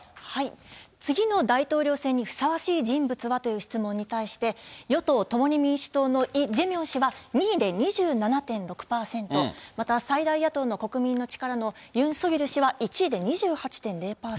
次の大統領選にふさわしい人物はという質問に対して、与党・共に民主党のイ・ジェミョン氏は２位で２７．６％、また最大野党の国民の力のユン・ソギョル氏は１位で２８．０％。